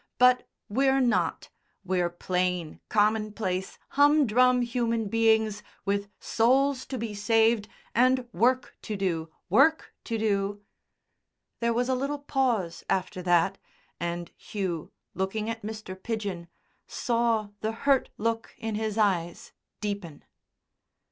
But we're not; we're plain, common place humdrum human beings with souls to be saved and work to do work to do!" There was a little pause after that, and Hugh, looking at Mr. Pidgen, saw the hurt look in his eyes deepen.